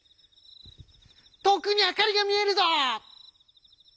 「遠くに明かりが見えるぞ」。